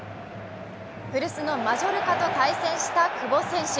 古巣のマジョルカと対戦した久保建英選手。